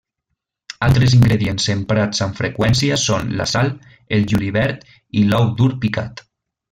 Altres ingredients emprats amb freqüència són la sal, el julivert i l'ou dur picat.